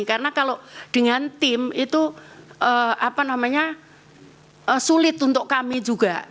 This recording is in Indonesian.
karena kalau dengan tim itu sulit untuk kami juga